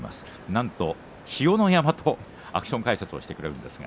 なんと、ひよの山とアクション解説をしてくれます。